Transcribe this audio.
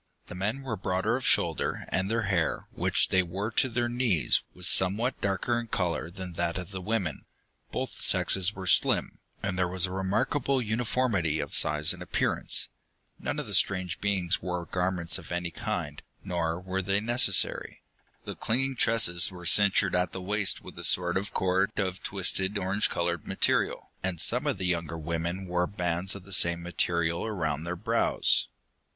The men were broader of shoulder, and their hair, which they wore to their knees, was somewhat darker in color than that of the women. Both sexes were slim, and there was a remarkable uniformity of size and appearance. None of the strange beings wore garments of any kind, nor were they necessary. The clinging tresses were cinctured at the waist with a sort of cord of twisted orange colored material, and some of the younger women wore bands of the same material around their brows.